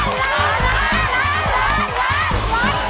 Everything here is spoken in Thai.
ล้านล้าน